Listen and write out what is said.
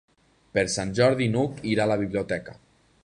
Per Sant Jordi n'Hug irà a la biblioteca.